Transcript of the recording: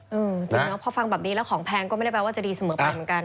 จริงแล้วพอฟังแบบนี้แล้วของแพงก็ไม่ได้แปลว่าจะดีเสมอไปเหมือนกัน